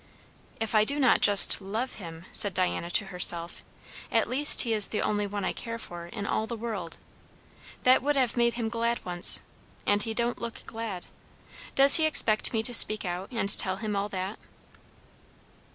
"If I do not just love him," said Diana to herself, "at least he is the only one I care for in all the world. That would have made him glad once. And he don't look glad. Does he expect me to speak out and tell him all that?"